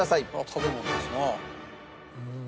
食べ物ですな。